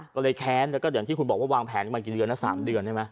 ก็เลยแค้นแล้วก็อย่างที่คุณบอกว่าวางแผนกันมากี่เดือนนะ๓เดือนใช่ไหม